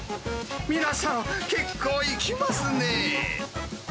皆さん、結構いきますね。